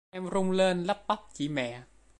em run lên lắp bắp chỉ mẹ